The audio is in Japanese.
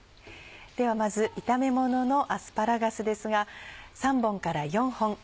ではまず炒めもののアスパラガスですが。